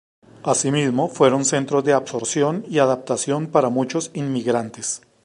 Asimismo, fueron centros de absorción y adaptación para muchos inmigrantes.